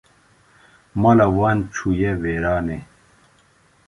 Mala wan çû ye wêranê